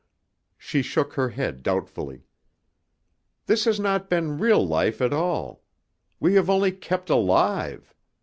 She shook her head doubtfully. "This has not been real life at all. We have only kept alive.